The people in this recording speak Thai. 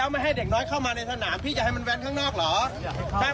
บ้านเขาอาจจะมีแค่มอเตอร์ไซค์